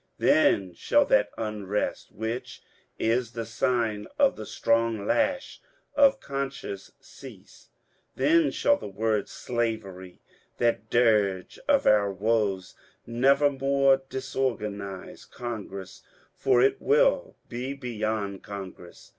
Then shall that unrest, which is the sign of the strong lash of Conscience, cease I Then shall the word " slavery," that dirge of our woes, never more disorganize Con gress, for it will be beyond Congress.